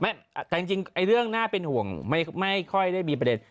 จริงเรื่องน่าเป็นห่วงไม่ค่อยได้มีประเด็น